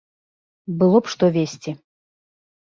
Было б што везці.